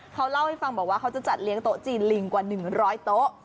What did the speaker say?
เขาเล่าให้ฟังบอกว่าเขาจะจัดเลี้ยงโต๊ะจีนลิงกว่า๑๐๐โต๊ะ